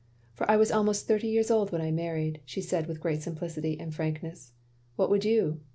For I was almost thirty years old when I married," she said with great simplicity and frankness. "What would you?